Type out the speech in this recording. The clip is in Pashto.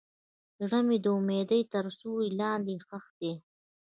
زړه مې د ناامیدۍ تر سیوري لاندې ښخ دی.